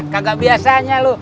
kagak biasanya lu